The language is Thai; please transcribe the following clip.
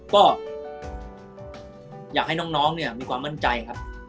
ก็อยากให้น้องเนี่ยมีความมั่นใจครับ